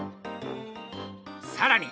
さらに！